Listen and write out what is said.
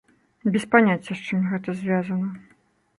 Без паняцця, з чым гэта звязана.